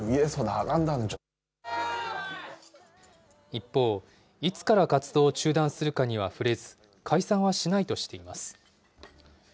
一方、いつから活動を中断するかには触れず、解散はしないとしています。